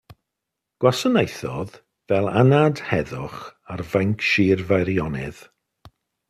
Gwasanaethodd fel Ynad Heddwch ar fainc Sir Feirionnydd.